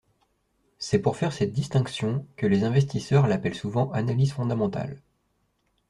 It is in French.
C'est pour faire cette distinction que les investisseurs l'appellent souvent analyse fondamentale.